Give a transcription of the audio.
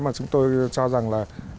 mà chúng tôi cho rằng là